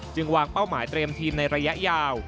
วางเป้าหมายเตรียมทีมในระยะยาว